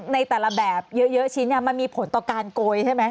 ในแต่ละแบบเยอะชิ้นมันมีผลต่อการโกยใช่ไหม